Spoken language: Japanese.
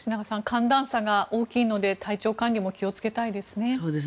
寒暖差が大きいので体調管理も気をつけたいですね。